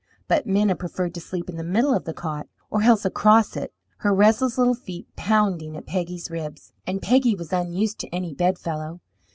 But Minna preferred to sleep in the middle of the cot, or else across it, her restless little feet pounding at Peggy's ribs; and Peggy was unused to any bedfellow.